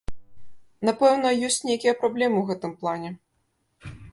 Напэўна, ёсць нейкія праблемы ў гэтым плане.